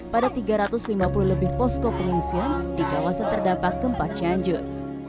pada tiga ratus lima puluh lebih posko pengungsian di kawasan terdapat keempat canjur